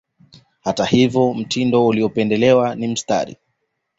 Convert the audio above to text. Hata hivyo mtindo uliopendelewa ni mistari